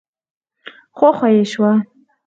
خوښه يې شوه.